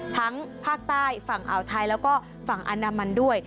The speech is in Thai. ทั้งภาคใต้ฝั่งอ่าวไทยแล้วก็ฝั่งอันดามันด้วย